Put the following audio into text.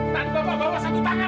tadi bapak bawa satu tangan